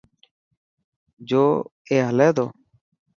جو اي هلي تو.